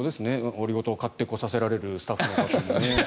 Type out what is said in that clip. オリゴ糖、買ってこさせられるスタッフの方も。